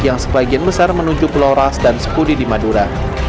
yang sebagian besar menuju pulau ras dan sepudi di madura